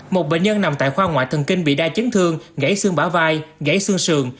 một bệnh nhân nằm tại khoa ngoại thần kinh bị đa chấn thương gãy xương bả vai gãy xương sườn